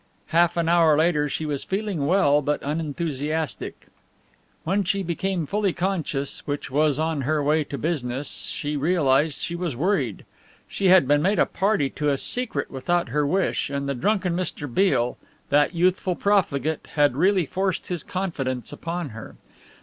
Half an hour later she was feeling well but unenthusiastic. When she became fully conscious, which was on her way to business, she realized she was worried. She had been made a party to a secret without her wish and the drunken Mr. Beale, that youthful profligate, had really forced this confidence upon her.